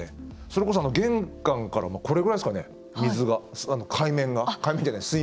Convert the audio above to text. それこそ、玄関からこれくらいですかね、水面が。